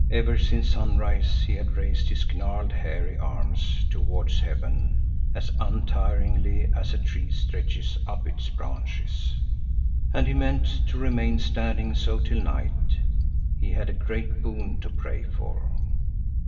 Ever since sunrise he had raised his gnarled, hairy arms towards heaven, as untiringly as a tree stretches up its branches, and he meant to remain standing so till night. He had a great boon to pray for.